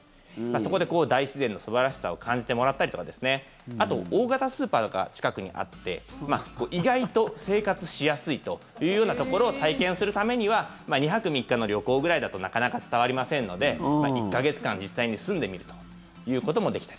そこで大自然の素晴らしさを感じてもらったりとかあと大型スーパーが近くにあって意外と生活しやすいというようなところを体験するためには２泊３日の旅行ぐらいだとなかなか伝わりませんので１か月間、実際に住んでみるということもできたり。